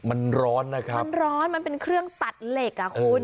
มันร้อนนะครับมันร้อนมันเป็นเครื่องตัดเหล็กอ่ะคุณ